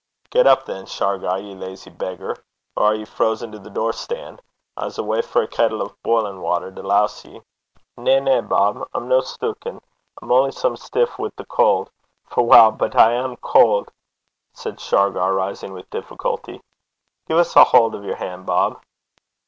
'Get up, than, Shargar, ye lazy beggar! Or are ye frozen to the door stane? I s' awa' for a kettle o' bilin' water to lowse ye.' 'Na, na, Bob. I'm no stucken. I'm only some stiff wi' the cauld; for wow, but I am cauld!' said Shargar, rising with difficulty. 'Gie 's a haud o' yer han', Bob.'